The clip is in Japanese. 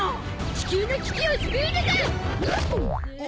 地球の危機を救うのだ！